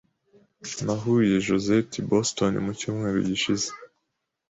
Nahuye Josette i Boston mu cyumweru gishize.